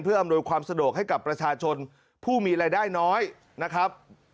เพื่ออำนวยความสะดวกให้กับประชาชนผู้มีรายได้น้อยนะครับ